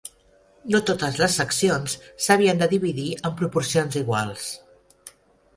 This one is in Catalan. No totes les seccions s'havien de dividir en proporcions iguals.